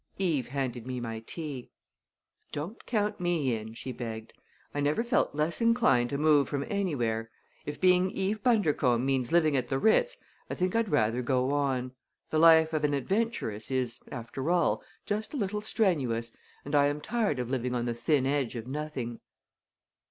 Eve handed me my tea. "Don't count me in!" she begged. "I never felt less inclined to move from anywhere. If being Eve Bundercombe means living at the Ritz I think I'd rather go on. The life of an adventuress is, after all, just a little strenuous and I am tired of living on the thin edge of nothing."